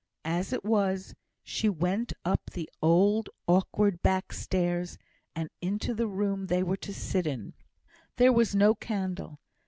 As it was, she went up the old awkward back stairs, and into the room they were to sit in. There was no candle.